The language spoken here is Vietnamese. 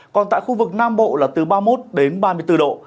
còn tại khu vực nam bộ là từ ba mươi một đến ba mươi bốn độ